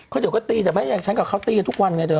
เขาเดี๋ยวก็ตีแต่ไหนฉันกับเขาตี้วทุกวันไงเธอ